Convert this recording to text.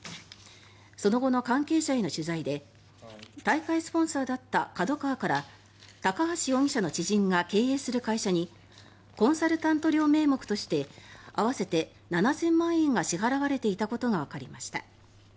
その後の関係者への取材で大会スポンサーだったＫＡＤＯＫＡＷＡから高橋容疑者の知人が経営する会社にコンサルタント料名目として合わせて７０００万円が支払われていたことがわかりました。